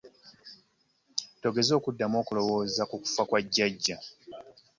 Togeza n'oddamu okulowooza ku kufa kwa jjajja.